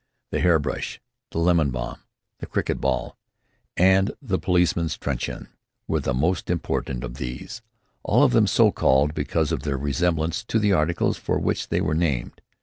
The "hairbrush," the "lemon bomb," the "cricket ball," and the "policeman's truncheon" were the most important of these, all of them so called because of their resemblance to the articles for which they were named.